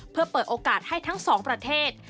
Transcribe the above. เพื่อเปิดโอกาสให้ทั้งสองประเทศ